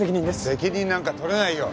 責任なんか取れないよ。